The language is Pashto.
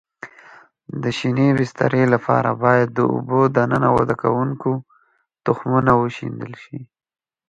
د شینې بسترې لپاره باید د اوبو دننه وده کوونکو تخمونه وشیندل شي.